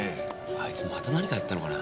あいつまた何かやったのかな？